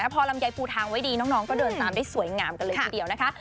พอลำไยปูทางไว้ดีน้องก็เดินตามได้สวยงามกันเลยทีเดียวนะคะ